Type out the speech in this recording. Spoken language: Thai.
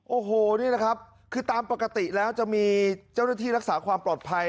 โอ้โหนี่แหละครับคือตามปกติแล้วจะมีเจ้าหน้าที่รักษาความปลอดภัย